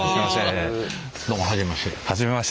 どうも初めまして。